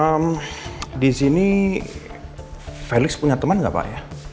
ehm disini felix punya teman gak pak ya